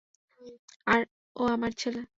আর ও আমার ছেলে।